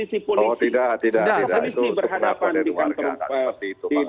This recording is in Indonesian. jika mereka saja sesat tetapi menyesatkan coba lihat posisi polisi